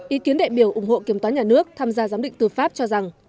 ý kiến đại biểu ủng hộ kiểm toán nhà nước tham gia giám định tư pháp cho rằng